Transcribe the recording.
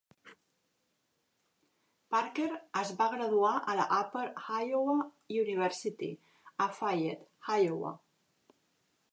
Parker es va graduar a la Upper Iowa University a Fayette, Iowa.